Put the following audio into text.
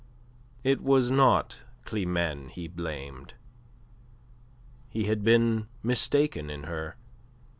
It was not Climene he blamed. He had been mistaken in her.